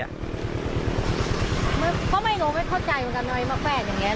เพราะไม่รู้ไม่เข้าใจกับน้อยมะแฟนอย่างนี้นะ